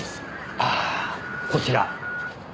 あぁこちら。